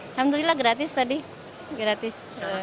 alhamdulillah gratis tadi gratis